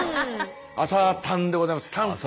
「朝たん」でございます。